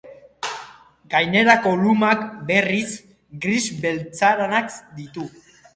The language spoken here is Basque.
Gainerako lumak, berriz, gris beltzaranak ditu.